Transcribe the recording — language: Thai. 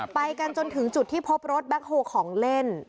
ไปกันจนถึงจุดที่พบรถแบ็คโฮของเล่น